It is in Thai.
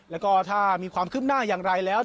แล้วก็ถ้ามีความคืบหน้าอย่างไรแล้ว